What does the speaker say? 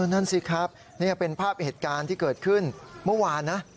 นั่นสิครับนี่เป็นภาพเหตุการณ์ที่เกิดขึ้นเมื่อวานนะ